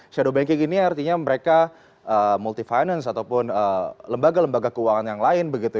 shadow banking ini artinya mereka multi finance ataupun lembaga lembaga keuangan yang lain begitu